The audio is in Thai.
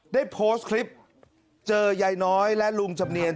ได้โพสต์คลิปเจอยายน้อยและลุงจำเนียน